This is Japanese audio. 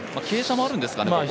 傾斜もあるんですかね。